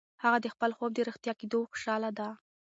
هغه د خپل خوب د رښتیا کېدو خوشاله ده.